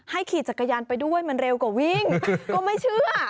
ขี่จักรยานไปด้วยมันเร็วกว่าวิ่งก็ไม่เชื่อ